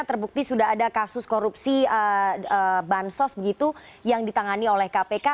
terbukti sudah ada kasus korupsi bansos begitu yang ditangani oleh kpk